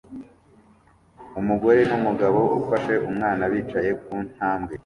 Umugore numugabo ufashe umwana bicaye kuntambwe